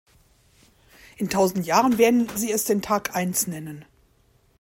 In tausend Jahren werden sie es den Tag eins nennen.